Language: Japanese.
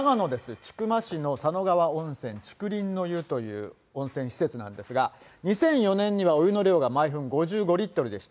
千曲市の佐野川温泉竹林の湯という温泉施設なんですが、２００４年にはお湯の量が毎分５５リットルでした。